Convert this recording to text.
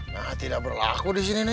nah tidak berlaku di sini nih